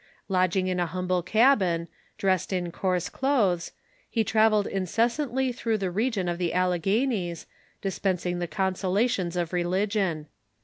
Lodging in a humble cabin, dressed in coarse clothes, he travelled incessantly through the region of the Alleghenies, dispensing the consolations of religion.